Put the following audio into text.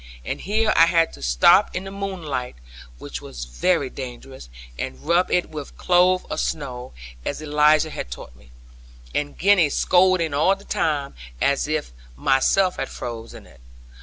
And here I had to stop in the moonlight (which was very dangerous) and rub it with a clove of snow, as Eliza had taught me; and Gwenny scolding all the time, as if myself had frozen it.